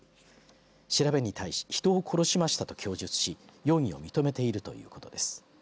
調べに対し人を殺しましたと供述し容疑を認めているということです。